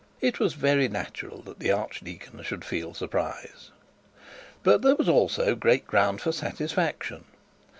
It was very natural that the archdeacons should feel surprise. But there was also great ground for satisfaction.